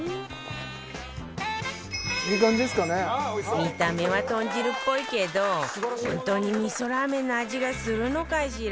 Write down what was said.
見た目は豚汁っぽいけど本当に味噌ラーメンの味がするのかしら？